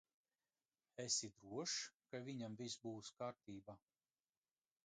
Esi drošs, ka viņam viss būs kārtībā?